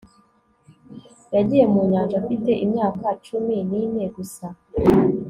Yagiye mu nyanja afite imyaka cumi nine gusa